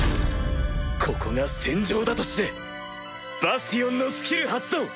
ここが戦場だと知れバスティオンのスキル発動！